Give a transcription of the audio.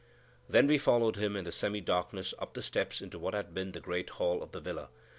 Then we followed him in the semi darkness up the steps into what had been the great hall of the villa.